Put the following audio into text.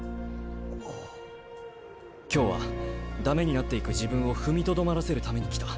今日は駄目になっていく自分を踏みとどまらせるために来た。